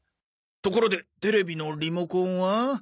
ところでテレビのリモコンは？